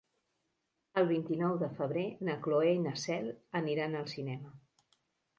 El vint-i-nou de febrer na Cloè i na Cel aniran al cinema.